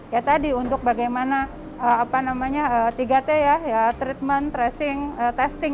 ya tadi untuk bagaimana apa namanya tiga t ya treatment tracing testing